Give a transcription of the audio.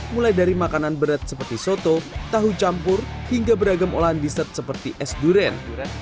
mulai dari makanan berat seperti soto tahu campur hingga beragam olahan dessert seperti es durian